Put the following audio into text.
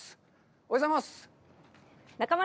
おはようございます。